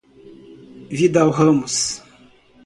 Vidal Ramos